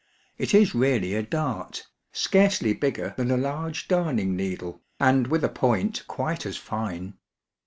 It is really a dart, scarcely bigger than a large darning needle, and with a point quite as fine.